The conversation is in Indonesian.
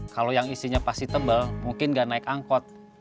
kalau yang isinya pasti tebel mungkin gak naik angkot